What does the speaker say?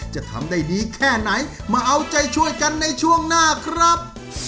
จะทำได้ดีแค่ไหนมาเอาใจช่วยกันในช่วงหน้าครับ